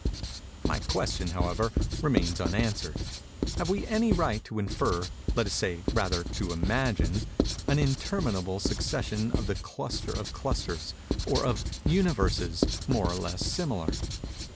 My question, however, remains unanswered:—Have we any right to infer—let us say, rather, to imagine—an interminable succession of the "clusters of clusters," or of "Universes" more or less similar?